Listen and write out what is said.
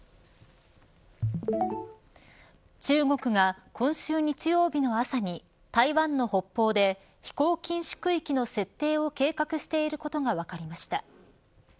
中国が今週、日曜日の朝に台湾の北方で飛行禁止区域の設定を計画していることが分かりました。